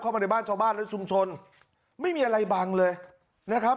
เข้ามาในบ้านชาวบ้านและชุมชนไม่มีอะไรบังเลยนะครับ